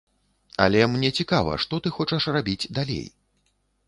Але мне цікава, што ты хочаш рабіць далей?